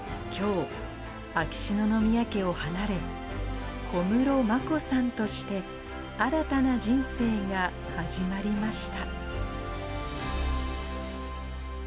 秋篠宮家を離れ、小室眞子さんとして、新たな人生が始まりました。